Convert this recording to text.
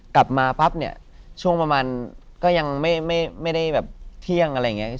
กลับมาปั๊บเนี่ยช่วงประมาณก็ยังไม่ได้แบบเที่ยงอะไรอย่างนี้